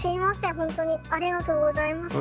ほんとにありがとうございました。